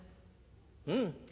「うん。